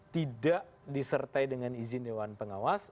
tidak disertai dengan izin dewan pengawas